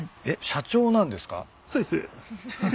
社長なんですか？